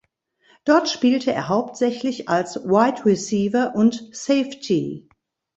Dort spielte er hauptsächlich als Wide Receiver und Safety.